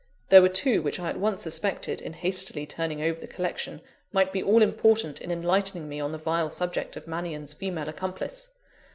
There were two which I at once suspected, in hastily turning over the collection, might be all important in enlightening me on the vile subject of Mannion's female accomplice.